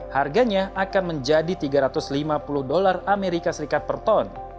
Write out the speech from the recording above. harganya bisa menjadi seribu tujuh ratus enam puluh dua dolar as per ton